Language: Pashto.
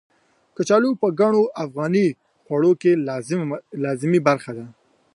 کچالو په ګڼو افغاني خوړو کې لازمي برخه ده.